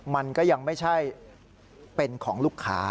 มันก็ยังไม่ใช่เป็นของลูกค้า